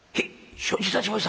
「承知いたしました。